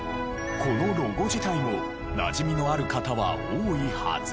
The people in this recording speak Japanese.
このロゴ自体もなじみのある方は多いはず。